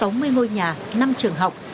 một trăm sáu mươi ngôi nhà năm trường học